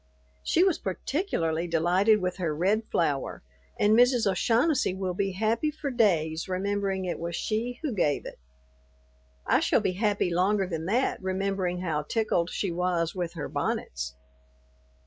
She was particularly delighted with her red flower, and Mrs. O'Shaughnessy will be happy for days remembering it was she who gave it. I shall be happy longer than that remembering how tickled she was with her bonnets.